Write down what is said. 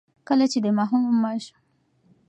کله چې د ماشوم حق وساتل شي، ناوړه چلند به ونه شي.